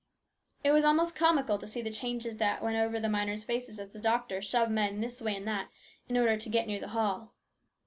It was almost comical to see the changes that went over the miners' faces as the doctor shoved men this way and that in order to get near the hall.